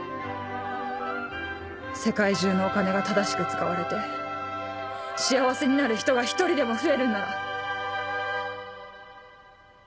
世界中のお金が正しく使われて幸せになる人が一人でも増えるんなら！